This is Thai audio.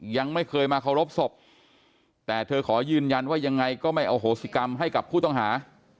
ยังไม่เคยมาเคารพศพแต่เธอขอยืนยันว่ายังไงก็ไม่อโหสิกรรมให้กับผู้ต้องหา